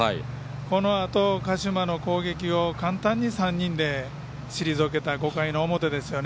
このあと、鹿島の攻撃を簡単に３人で退けた５回の表ですよね。